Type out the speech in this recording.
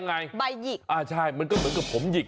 อ้าวใช่มันก็เหมือนกับผมหยิก